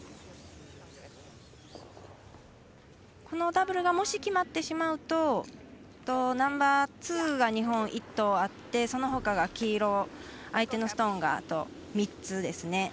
このダブルがもし決まってしまうとナンバーツーが日本、１投あってそのほかが黄色相手のストーンがあと３つですね。